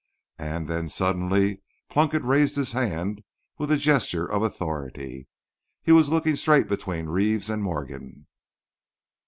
And then suddenly Plunkett raised his hand with a gesture of authority. He was looking straight between Reeves and Morgan.